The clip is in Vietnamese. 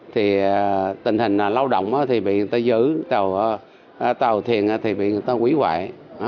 thì tình hình là lao động thì bị người ta giữ tàu thiền thì bị người ta quý quại